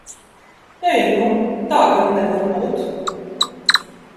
Ej nu! Tā gan nevar būt!